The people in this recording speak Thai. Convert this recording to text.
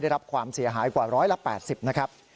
ได้รับความเสียหายกว่า๑๘๐นะครับ